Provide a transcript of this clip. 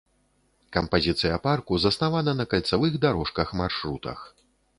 Кампазіцыя парку заснавана на кальцавых дарожках-маршрутах.